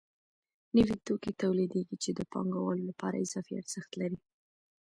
نوي توکي تولیدېږي چې د پانګوالو لپاره اضافي ارزښت دی